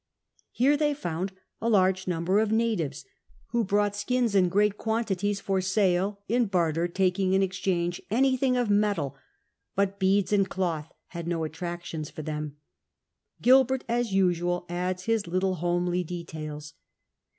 Here they found a large number of the natives, who brought skins in great quantities for sale, in barter taking in exchange anything of metal, but beads and cloth had no attractions for them. Gilbert, as usual, adds his little homely details.